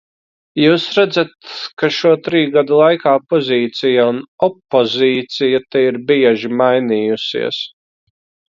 Jūs redzat, ka šo triju gadu laikā pozīcija un opozīcija te ir bieži mainījusies.